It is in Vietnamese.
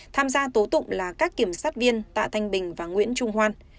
tham gia tố tụng là các kiểm sát viên tạ thanh bình và nguyễn trung hoan